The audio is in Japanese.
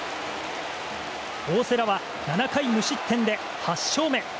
大瀬良は７回無失点で８勝目。